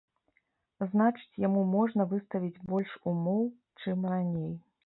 Значыць, яму можна выставіць больш умоў, чым раней.